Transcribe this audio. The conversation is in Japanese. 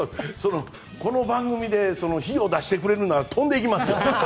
この番組で費用を出してくれるなら飛んでいきますよ。